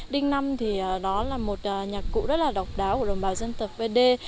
đinh năm thì đó là một nhạc cụ rất là độc đáo của đồng bào dân tộc về đê